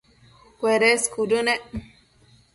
cuedes cuëdënec